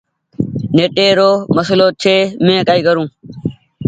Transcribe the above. نيٽي رو مسلو ڇي مينٚ ڪآئي ڪرون